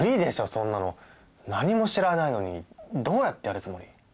そんなの何も知らないのにどうやってやるつもり？